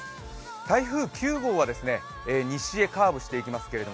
台風９号は西へカーブしていきますけど